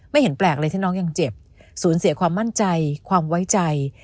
เห็นแปลกเลยที่น้องยังเจ็บสูญเสียความมั่นใจความไว้ใจ